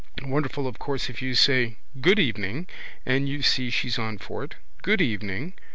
Wonderful of course if you say: good evening, and you see she's on for it: good evening.